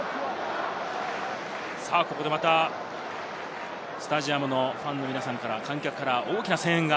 ここで、またスタジアムのファンの皆さんから大きな声援が。